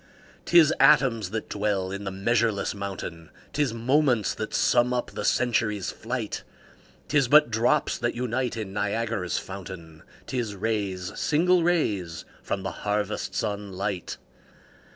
'Tis atoms that dwell in the measureless mountain, 'Tis moments that sum up the century's flight; 'Tis but drops that unite in Niagara's fountain, 'Tis rays, single rays, from the harvest sun light.